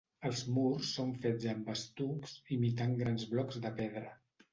Els murs són fets amb estucs, imitant grans blocs de pedra.